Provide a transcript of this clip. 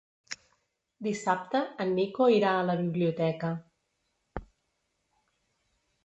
Dissabte en Nico irà a la biblioteca.